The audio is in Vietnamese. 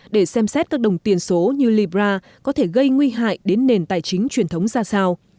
để xem xét các đồng tiền số như libra có thể gây nguy hại đến nền tài chính truyền thống ra sao